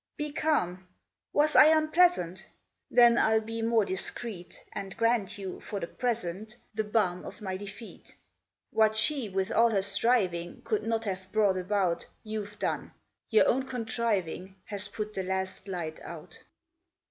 "Be calm? Was I unpleasant? Then I'll be more discreet, And grant you, for the present, The balm of my defeat: What she, with all her striving, Could not have brought about, You've done. Your own contriving Has put the last light out.